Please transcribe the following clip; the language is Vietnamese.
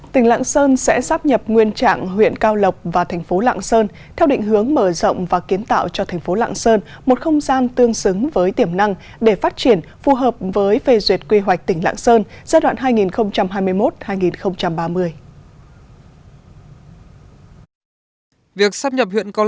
tỉnh lạng sơn sẽ sắp nhập nguyên trạng huyện cao lộc và thành phố lạng sơn theo định hướng mở rộng và kiến tạo cho thành phố lạng sơn một không gian tương xứng với tiềm năng để phát triển phù hợp với phê duyệt quy hoạch tỉnh lạng sơn giai đoạn hai nghìn hai mươi một hai nghìn ba mươi